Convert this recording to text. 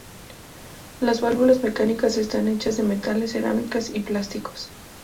Las válvulas mecánicas están hechas de metales, cerámicas y plásticos.